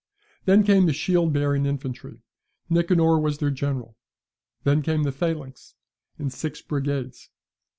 Then came the shield bearing infantry: Nicanor was their general. Then came the phalanx, in six brigades.